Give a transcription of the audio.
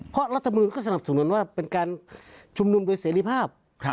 เพราะรัฐมนุนก็สนับสนุนว่าเป็นการชุมนุมโดยเสรีภาพ